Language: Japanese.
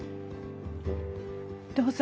どうぞ。